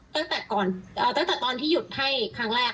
ที่ปรดขนาดละลงตั้งแต่เวลาที่หยุดให้ครั้งแรก